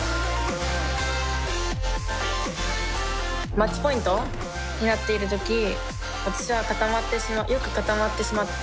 マッチポイントになっている時私はよく固まってしまって。